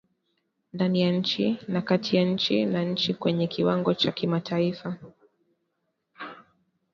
ndani ya nchi na kati ya nchi na nchi kwenye kiwango cha kimataifa